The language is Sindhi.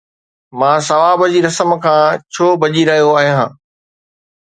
مان ثواب جي رسم کان ڇو ڀڄي رهيو آهيان!